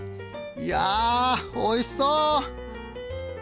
いやおいしそう！